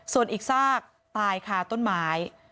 ส่วนอีกซากตายค่ะต้นไม้